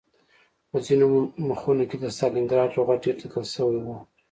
په ځینو مخونو کې د ستالنګراډ لغت ډېر لیکل شوی و